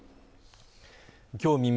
今日未明